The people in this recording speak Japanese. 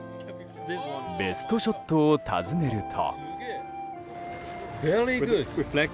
ベストショットを尋ねると。